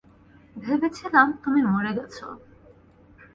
ভেবেছিলাম তুমি মরে গেছো।